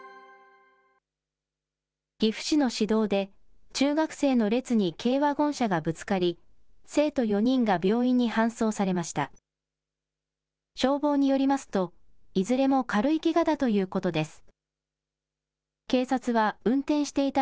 岐阜市の市道で、中学生の列に軽ワゴン車がぶつかり、生徒４人が病院に搬送されました。